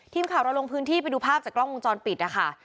ทีมข่าวเราลงพื้นที่ไปดูภาพจากกล้องวงจรปิดนะคะ